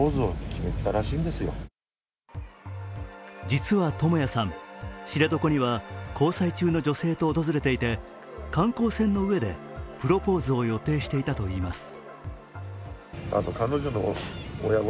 実は智也さん、知床には交際中の女性と訪れていて観光船の上でプロポーズを予定していたといいます。